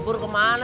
baru pulang kerja